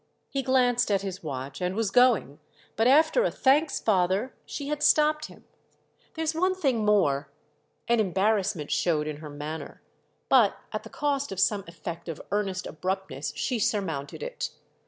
He glanced at his watch and was going, but after a "Thanks, father," she had stopped him. "There's one thing more." An embarrassment showed in her manner, but at the cost of some effect of earnest abruptness she surmounted it.